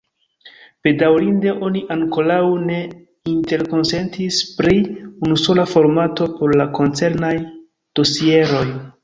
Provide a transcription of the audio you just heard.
Bedaŭrinde oni ankoraŭ ne interkonsentis pri unusola formato por la koncernaj dosieroj.